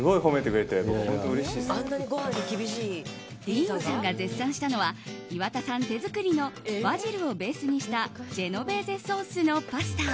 ディーンさんが絶賛したのは岩田さん手作りのバジルをベースにしたジェノベーゼソースのパスタ。